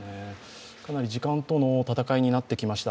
かなり時間との戦いになってきました。